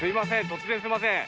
突然すいません。